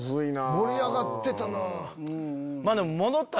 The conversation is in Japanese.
盛り上がってたなぁ。